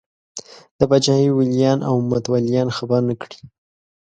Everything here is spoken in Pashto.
د پاچاهۍ ولیان او متولیان خفه نه کړي.